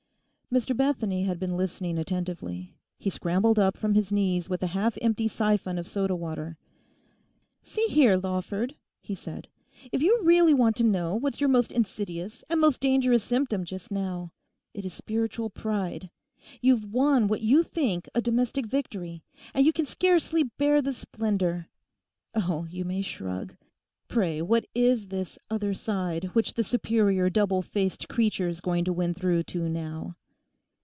Mr Bethany had been listening attentively. He scrambled up from his knees with a half empty syphon of sodawater. 'See here, Lawford,' he said; 'if you really want to know what's your most insidious and most dangerous symptom just now, it is spiritual pride. You've won what you think a domestic victory; and you can scarcely bear the splendour. Oh, you may shrug! Pray, what is this "other side" which the superior double faced creature's going to win through to now?